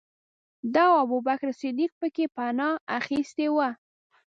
ده او ابوبکر صدیق پکې پنا اخستې وه.